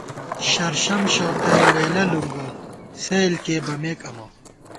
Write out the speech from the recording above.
شرشم شؤتل لېلہ لُنگوت سیل کېئی بمېک امہ